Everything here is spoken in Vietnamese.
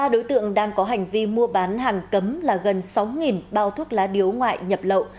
ba đối tượng đang có hành vi mua bán hàng cấm là gần sáu bao thuốc lá điếu ngoại nhập lậu